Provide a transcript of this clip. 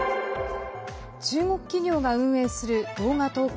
中国企業が運営する動画投稿